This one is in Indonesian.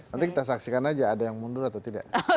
nanti kita saksikan aja ada yang mundur atau tidak